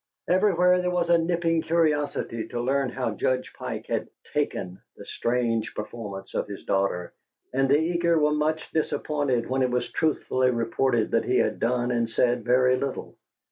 Everywhere there was a nipping curiosity to learn how Judge Pike had "taken" the strange performance of his daughter, and the eager were much disappointed when it was truthfully reported that he had done and said very little.